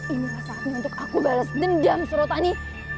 inilah saatnya untuk aku balas dendam serotani